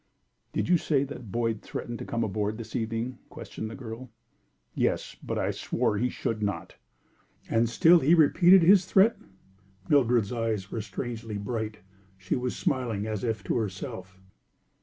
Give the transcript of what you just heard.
"Did you say that Boyd threatened to come aboard this evening?" questioned the girl. "Yes. But I swore that he should not." "And still he repeated his threat?" Mildred's eyes were strangely bright. She was smiling as if to herself.